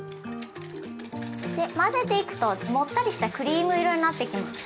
で混ぜていくともったりしたクリーム色になってきます。